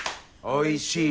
おいしい。